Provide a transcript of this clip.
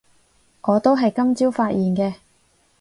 我都係今朝發現嘅